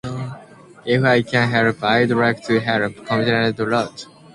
"If I can help, I'd like to help," Coverdell wrote.